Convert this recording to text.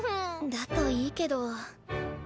だといいけど。